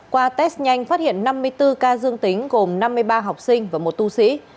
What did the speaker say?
qua test nhanh phát hiện năm mươi bốn ca dương tính gồm năm mươi ba học sinh và một tu sĩ